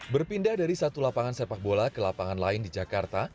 berpindah dari satu lapangan sepak bola ke lapangan lain di jakarta